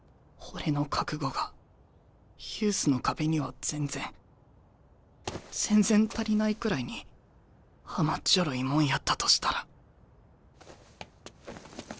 俺の覚悟がユースの壁には全然全然足りないくらいに甘っちょろいもんやったとしたら。